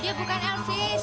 dia bukan elvis